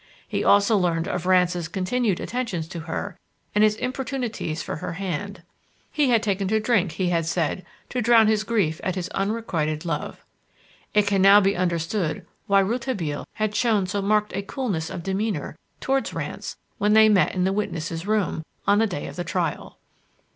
He also learned of Rance's continued attentions to her and his importunities for her hand. He had taken to drink, he had said, to drown his grief at his unrequited love. It can now be understood why Rouletabille had shown so marked a coolness of demeanour towards Rance when they met in the witnesses' room, on the day of the trial.